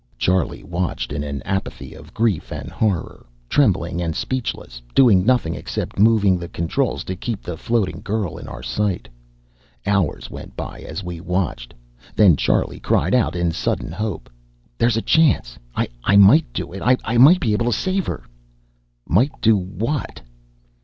Charlie watched in an apathy of grief and horror, trembling and speechless doing nothing except move the controls to keep the floating girl in our sight. Hours went by as we watched. Then Charlie cried out in sudden hope. "There's a chance! I might do it! I might be able to save her!" "Might do what?"